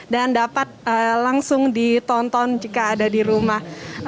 dan dapat langsung ditonton jika ada di rumah